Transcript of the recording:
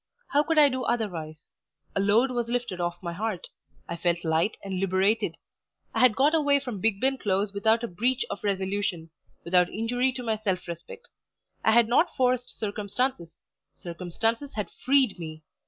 How could I do otherwise? A load was lifted off my heart; I felt light and liberated. I had got away from Bigben Close without a breach of resolution; without injury to my self respect. I had not forced circumstances; circumstances had freed me.